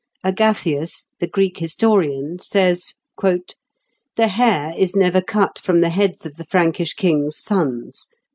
Agathias, the Greek historian, says, "The hair is never cut from the heads of the Frankish kings' sons.